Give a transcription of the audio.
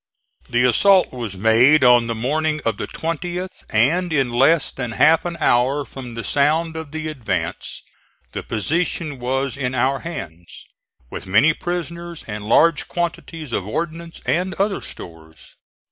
The assault was made on the morning of the 20th, and in less than half an hour from the sound of the advance the position was in our hands, with many prisoners and large quantities of ordnance and other stores.